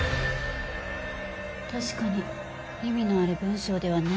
確かに意味のある文章ではないようですが。